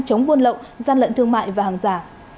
chống buôn lậu gian lận thương mại và hàng giả